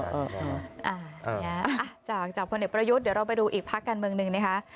อย่างนั้นอ่าจากพนิตประยุทธเดี๋ยวเราไปดูอีกพรรคกลางเมืองค่ะ